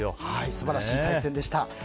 素晴らしい対戦でした。